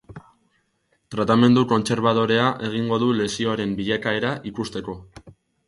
Tratamendu konterbadorea egingo du lesioaren bilakaera ikusteko.